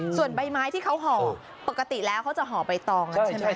ส่วนใบไม้ที่เขาห่อปกติแล้วเขาจะห่อใบตองใช่ไหมค